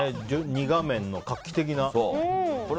２画面の画期的な。